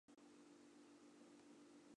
宋代属成都府路成都府。